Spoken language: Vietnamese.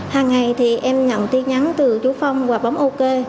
hàng ngày thì em nhận tin nhắn từ chú phong và bóng ok